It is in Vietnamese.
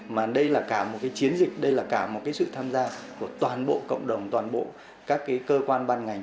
mà đây là cả một cái chiến dịch đây là cả một cái sự tham gia của toàn bộ cộng đồng toàn bộ các cơ quan ban ngành